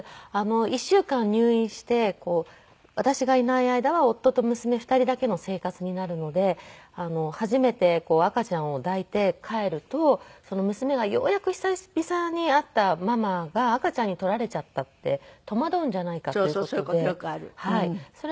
１週間入院して私がいない間は夫と娘２人だけの生活になるので初めて赤ちゃんを抱いて帰ると娘がようやく久々に会ったママが赤ちゃんに取られちゃったって戸惑うんじゃないかっていう事で。